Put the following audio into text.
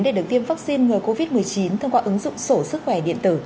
để được tiêm vaccine ngừa covid một mươi chín thông qua ứng dụng sổ sức khỏe điện tử